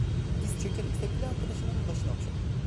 Diz çökerek sevgili arkadaşının başını okşadı.